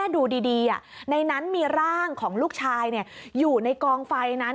ดูดีในนั้นมีร่างของลูกชายอยู่ในกองไฟนั้น